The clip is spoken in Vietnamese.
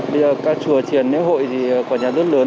bây giờ các chùa triển nếp hội thì quả nhà rất lớn